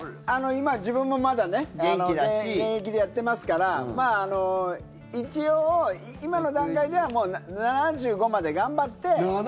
今、自分もまだ現役でやってますから一応、今の段階では７５まで頑張って。